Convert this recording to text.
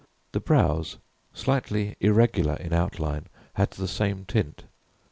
The brows, slightly irregular in outline, had the same tint.